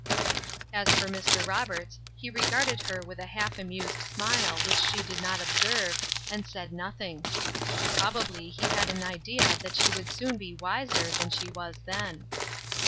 As for Mr. Roberts, he regarded her with a half amused smile which she did not observe, and said nothing. Probably he had an idea that she would soon be wiser than she was then.